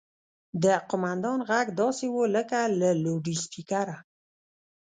د قوماندان غږ داسې و لکه له لوډسپيکره.